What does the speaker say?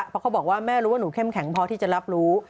เพราะเขาบอกว่าแม่รู้ว่าหนูเข้มแข็งพอที่จะรับรู้